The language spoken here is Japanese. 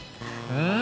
うん！